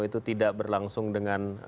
itu tidak berlangsung dengan